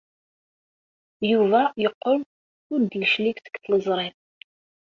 Yuba yeqqel ur d-yeclig seg tliẓri.